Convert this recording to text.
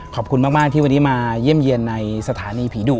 ขอบคุณมากที่วันนี้มาเยี่ยมเยี่ยนในสถานีผีดุ